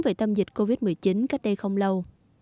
về tâm dịch covid một mươi chín cách đây không lâu